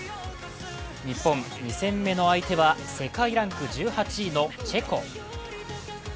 日本、２戦目の相手は世界ランク１８位のチェコ。